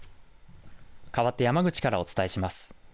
かわって山口からお伝えします。